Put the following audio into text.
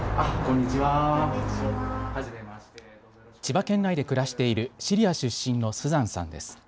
千葉県内で暮らしているシリア出身のスザンさんです。